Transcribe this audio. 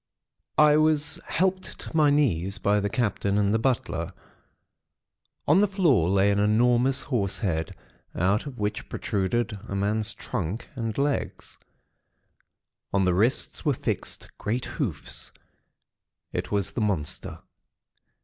"I was helped to my knees by the Captain and the butler. On the floor lay an enormous horse head, out of which protruded a man's trunk and legs. On the wrists were fixed great hoofs. It was the monster.